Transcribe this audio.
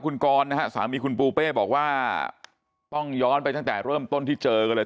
คุณกรนะฮะสามีคุณปูเป้บอกว่าต้องย้อนไปตั้งแต่เริ่มต้นที่เจอกันเลย